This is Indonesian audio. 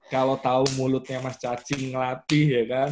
kalau tahu mulutnya mas cacing ngelatih ya kan